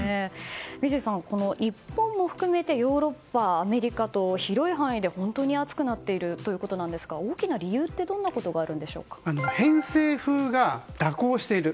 三井さん、日本も含めてヨーロッパ、アメリカと広い範囲で本当に暑くなっているということなんですが大きな理由って偏西風が蛇行している。